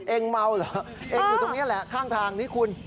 เองเมาเหรอเองอยู่ตรงนี้แหละข้างทางนี้คุณ